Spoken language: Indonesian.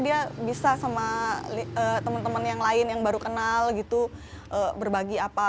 dia bisa sama teman teman yang lain yang baru kenal gitu berbagi apa